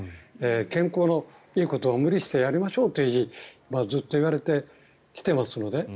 健康にいいことを無理してやりましょうとずっと言われてきていますので。